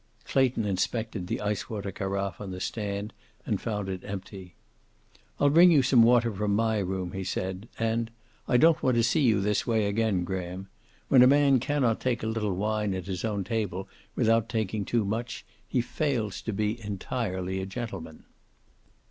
Clayton inspected the ice water carafe on the stand and found it empty. "I'll bring you some water from my room," he said. "And I don't want to see you this way again, Graham. When a man cannot take a little wine at his own table without taking too much he fails to be entirely a gentleman."